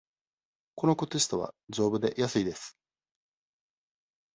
この靴下は、じょうぶで安いです。